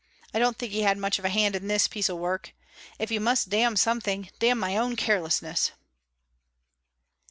I don't think he had much of a hand in this piece of work. If you must damn something, damn my own carelessness.'"